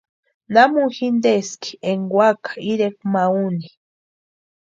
¿Namuni jinteski énka úaka irekwa ma úni?